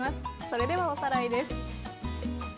それではおさらいです。